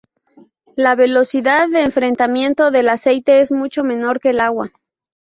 La velocidad de enfriamiento del aceite es mucho menor que el agua.